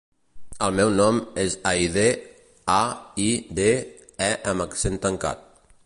El meu nom és Aidé: a, i, de, e amb accent tancat.